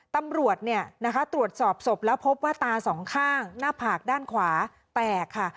ตำรวจตรวจสอบศพแล้วพบว่าตาสองข้างหน้าผากด้านขวาแตกค่ะ